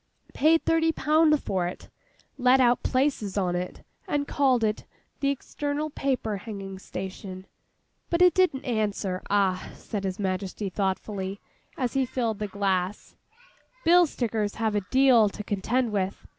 Paid thirty pound for it; let out places on it, and called it "The External Paper Hanging Station." But it didn't answer. Ah!' said His Majesty thoughtfully, as he filled the glass, 'Bill stickers have a deal to contend with.